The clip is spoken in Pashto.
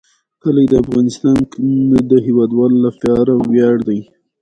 کلي د افغانستان د هیوادوالو لپاره ویاړ دی.